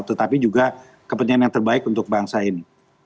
tetapi juga kepentingan yang terbaik untuk bangsa ini